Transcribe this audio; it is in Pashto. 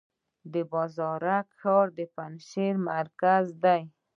د بازارک ښار د پنجشیر مرکز دی